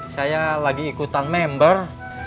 saya lagi ikutan member